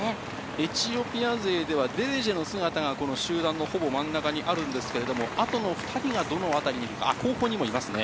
エチオピア勢では、デレジェの姿がこの集団のほぼ真ん中にあるんですけれども、あとの２人がどの辺りにいるか、あっ、後方にもいますね。